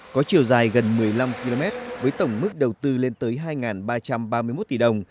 có chiều dài gần một mươi năm km với tổng mức đầu tư lên tới hai ba trăm ba mươi một tỷ đồng